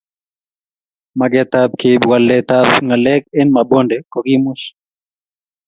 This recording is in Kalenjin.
Magetab keib waletab ngalek eng Mabonde kokimuch